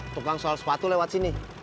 tukang soal sepatu lewat sini